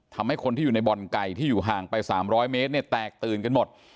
ทำให้คนที่อยู่ในบ่อนไก่ที่อยู่ห่างไป๓๐๐เมตรเนี่ยแตกตื่นกันหมด